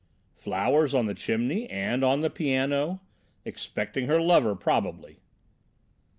"Flowers on the chimney and on the piano! Expecting her lover probably!"